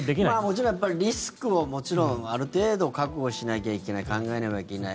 もちろん、リスクをある程度覚悟しなきゃいけない考えなければいけない。